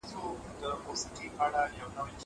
هغه وويل چي اوبه څښل مهم دي!